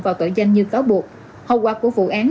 vào tội danh như cáo buộc hậu quả của vụ án